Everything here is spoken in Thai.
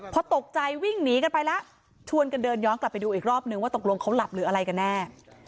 พอตกใจวิ่งหนีกันไปแล้วชวนกันเดินย้อนกลับไปดูอีกรอบนึงว่าตกลงเขาหลับหรืออะไรกันแน่